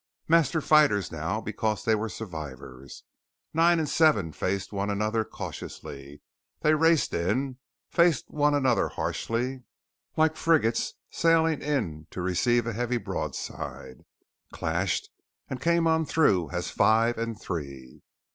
Master fighters now because they were survivors, Nine and Seven faced one another cautiously. They raced in, faced one another harshly, like frigates sailing in to receive a heavy broadside, clashed, and came on through as Five and Three.